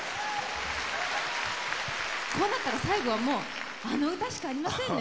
こうなったら最後はもうあの歌しかありませんね。